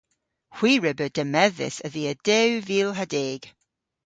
Hwi re beu demmedhys a-dhia dew vil ha deg.